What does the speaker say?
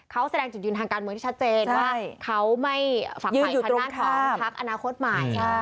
เขาแสดงจุดยืนทางการเมืองที่ชัดเจนว่าเขาไม่ฝักฝ่ายทางด้านของพักอนาคตใหม่